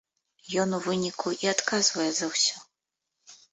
Ён у выніку і адказвае за ўсё.